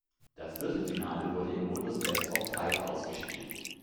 Das Viertelfinale wurde im Modus Best-of-Five ausgespielt.